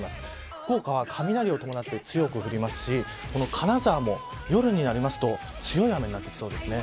福岡は雷を伴って強く冷えますし金沢も夜になりますと強い雨になってきそうですね。